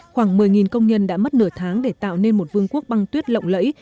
khoảng một mươi công nhân đã mất nửa tháng để tạo nên một vương quốc băng tuyết lộng lẫy